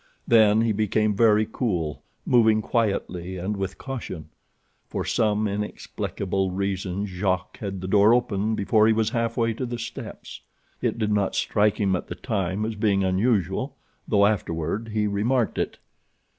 Then he became very cool, moving quietly and with caution. For some inexplicable reason Jacques had the door open before he was halfway to the steps. It did not strike him at the time as being unusual, though afterward he remarked it.